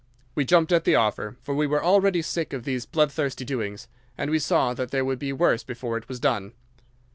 We jumped at the offer, for we were already sick of these bloodthirsty doings, and we saw that there would be worse before it was done.